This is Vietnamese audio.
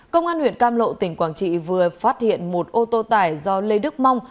công an huyện cam lộ tỉnh quảng trị vừa phát hiện một ô tô tải do lê đức mong